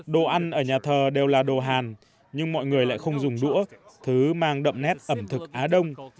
đồ ăn ở nhà thờ đều là đồ hàn nhưng mọi người lại không dùng đũa thứ mang đậm nét ẩm thực á đông